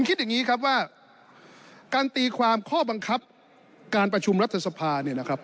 คิดอย่างนี้ครับว่าการตีความข้อบังคับการประชุมรัฐสภาเนี่ยนะครับ